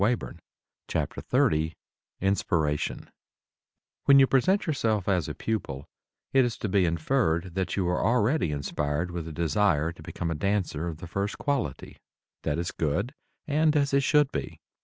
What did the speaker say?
[Illustration: NW] INSPIRATION When you present yourself as a pupil it is to be inferred that you are already inspired with a desire to become a dancer of the first quality. That is good and as it should be.